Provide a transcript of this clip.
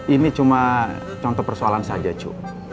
ini cuma contoh persoalan saja cu